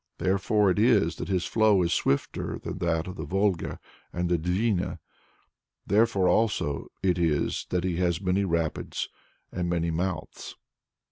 Therefore is it that his flow is swifter than that of the Volga and the Dvina; therefore also is it that he has many rapids and many mouths.